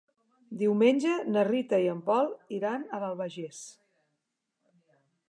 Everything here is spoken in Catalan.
Diumenge na Rita i en Pol iran a l'Albagés.